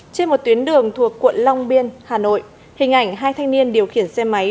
trên một tuyến đường thuộc quận long biên hà nội hình ảnh hai thanh niên điều khiển xe máy